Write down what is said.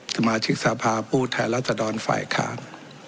สมาชิกสภาพผู้แทนรัศดรฝ่ายค้าน